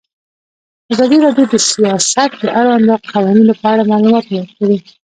ازادي راډیو د سیاست د اړونده قوانینو په اړه معلومات ورکړي.